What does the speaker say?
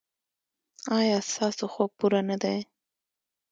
ایا ستاسو خوب پوره نه دی؟